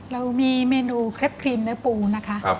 เรามีเมนูเคล็ปครีมเนื้อปูนะคะ